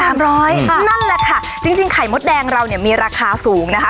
สามร้อยอืมนั่นแหละค่ะจริงจริงไข่มดแดงเราเนี้ยมีราคาสูงนะคะ